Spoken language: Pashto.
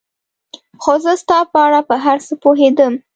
خو زه ستا په اړه په هر څه پوهېدم.